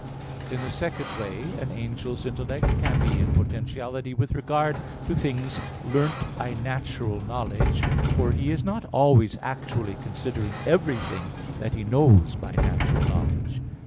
In the second way an angel's intellect can be in potentiality with regard to things learnt by natural knowledge; for he is not always actually considering everything that he knows by natural knowledge.